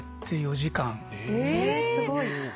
えすごい。